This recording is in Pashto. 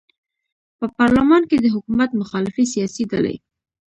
په پارلمان کې د حکومت مخالفې سیاسي ډلې